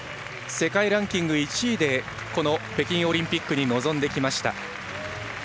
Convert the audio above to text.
世界ランキング１位で北京オリンピックに臨んできました。